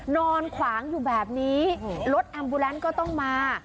นอนขวางอยู่แบบนี้รถอัมบูแลนซ์ก็ต้องมา